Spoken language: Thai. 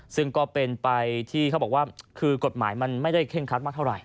ซึ่งก็เป็นไปที่เขาบอกว่าคือกฎหมายมันไม่ได้เคร่งคัดมากเท่าไห